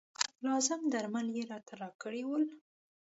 لازم درمل یې راته راکړي ول.